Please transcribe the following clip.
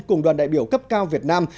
cùng đoàn đại biểu cấp cao việt nam